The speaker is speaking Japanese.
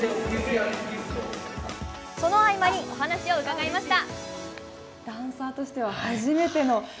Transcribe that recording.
その合間にお話を伺いました。